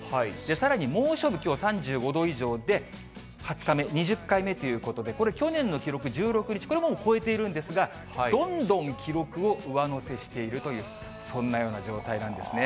さらに猛暑日、きょうは３５度以上で２０日目、２０回目ということで、これ、去年の記録１６日、これも超えているんですが、どんどん記録を上乗せしているという、そんなような状態なんですね。